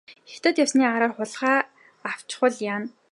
Хятад явсны араар хулгай авчихвал яана.